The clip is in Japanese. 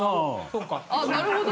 あなるほど。